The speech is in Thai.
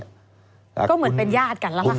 ก็เหมือนเป็นญาติกันแล้วค่ะ